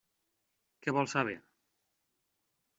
Què vol saber?